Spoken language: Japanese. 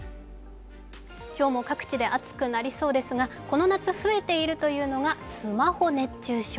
今日も各地で暑くなりそうですが、この夏、増えているというのがスマホ熱中症。